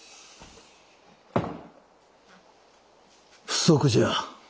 不足じゃ。